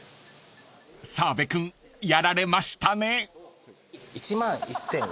［澤部君やられましたね］